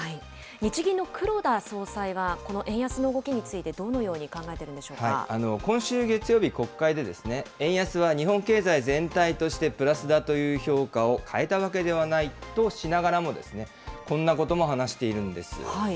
日銀の黒田総裁は、この円安の動きについてどのように考えて今週月曜日、国会で円安は日本経済全体としてプラスだという評価を変えたわけではないとしながらも、こんなことも話しているんです。